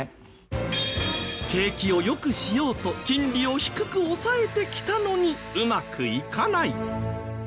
景気を良くしようと金利を低く抑えてきたのにうまくいかない。